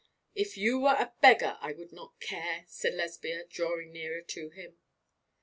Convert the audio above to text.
'If you were a beggar I would not care,' said Lesbia, drawing nearer to him.